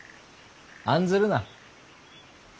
案ずるな。